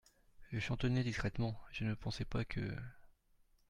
Je chantonnais discrètement, je ne pensais pas que …